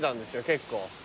結構。